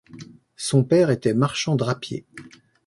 Son père était marchand drapier.